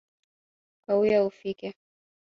Kawia ufike